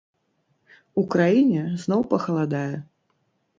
У краіне зноў пахаладае.